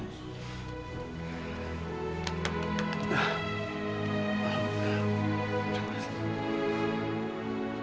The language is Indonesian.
nah pak udah